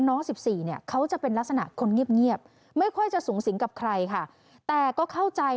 นี่คือทางด้านของอีกคนนึงบ้างค่ะคุณผู้ชมค่ะ